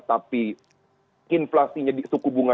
tapi inflasinya di suku bunga